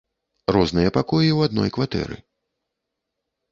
Розныя пакоі ў адной кватэры.